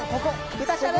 豚しゃぶ？